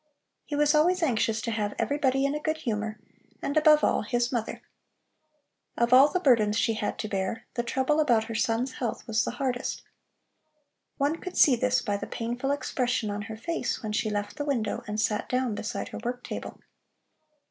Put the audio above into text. He was always anxious to have everybody in a good humor, and above all, his mother. Of all the burdens she had to bear, the trouble about her son's health was the hardest. One could see this by the painful expression on her face when she left the window and sat down beside her work table.